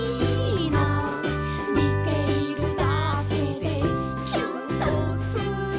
「みているだけでキュンとする」